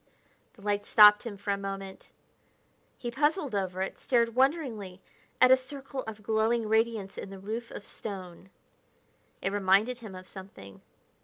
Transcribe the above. The light stopped him for a moment. He puzzled over it; stared wonderingly at a circle of glowing radiance in the roof of stone. It reminded him of something